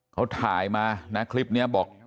เขาถ่ายมานะคลิปนี้บอก